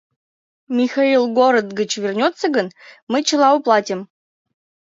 Михаил город гыч вернется гын, ме чыла уплатим.